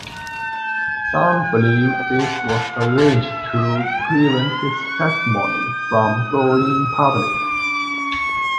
Some believe this was arranged to prevent his testimony from going public.